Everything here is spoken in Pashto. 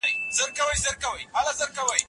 قبایلي ژوند د ټولنې لویه برخه ده.